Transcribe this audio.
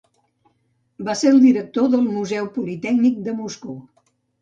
Va ser el director del Museu Politècnic de Moscou.